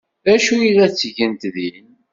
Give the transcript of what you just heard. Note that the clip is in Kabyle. D acu ay la ttgent din?